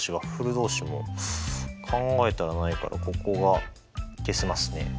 同士も考えたらないからここが消せますね。